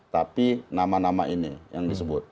tapi nama nama ini yang disebut